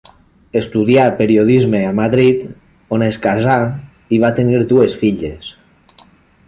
Estudià periodisme a Madrid, on es casà i va tenir dues filles.